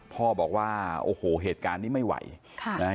พ่อบอกว่าโอ้โหเหตุการณ์นี้ไม่ไหวค่ะนะฮะ